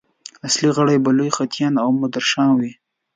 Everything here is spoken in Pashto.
اصلي غړي به لوی خطیبان او مدرسان وي.